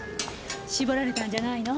絞られたんじゃないの？